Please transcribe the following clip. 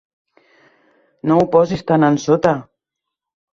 No ho posis tan ensota.